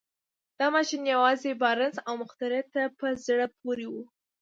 دا ماشين يوازې بارنس او مخترع ته په زړه پورې و.